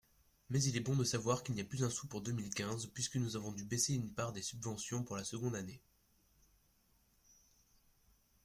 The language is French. Mais il est bon de savoir qu’il n’y a plus un sou pour deux mille quinze puisque nous avons dû baisser une part des subventions pour la seconde année.